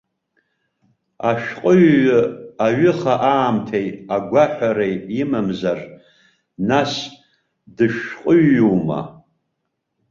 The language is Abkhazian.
Ашәҟәыҩҩы аҩыха аамҭеи агәаҳәареи имамзар, нас дышәҟәыҩҩума?